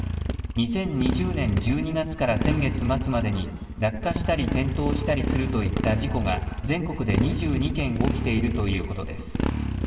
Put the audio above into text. ２０２０年１２月から先月末までに落下したり転倒したりするといった事故が、全国で２２件起きているということです。